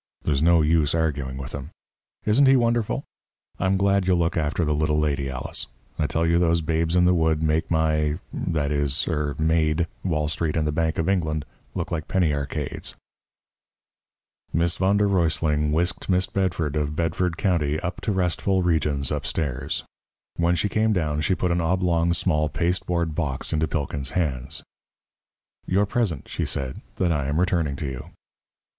There's no use arguing with him. Isn't he wonderful? I'm glad you'll look after the little lady, Alice. I tell you those Babes in the Wood made my that is, er made Wall Street and the Bank of England look like penny arcades." Miss Von der Ruysling whisked Miss Bedford of Bedford County up to restful regions upstairs. When she came down, she put an oblong small pasteboard box into Pilkins' hands. "Your present," she said, "that I am returning to you."